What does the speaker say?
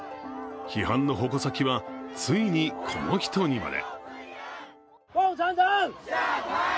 批判の矛先はついにこの人にまで。